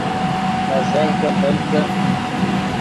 نے زیہکے مل کن